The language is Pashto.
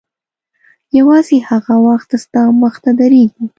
یوازې هغه وخت ستا مخته درېږي.